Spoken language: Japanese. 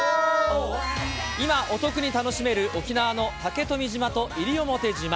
今、お得に楽しめる沖縄の竹富島と西表島。